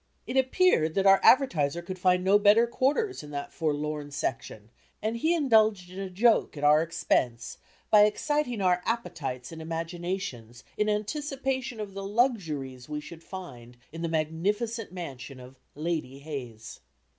It appeared that our advertiser could find no better quarters in that forlorn section and he had indulged in a joke at our expense by exciting our appetites and imaginations in anticipation of the luxuries we should find in the magnificent mansion of "Lady Hayes."